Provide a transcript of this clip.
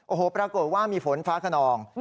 โอ้โหปรากฏว่ามีฝนฟ้าขนอง